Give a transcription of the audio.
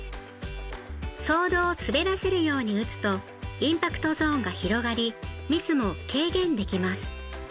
ソールを滑らせるように打つとインパクトゾーンが広がりミスも軽減できます。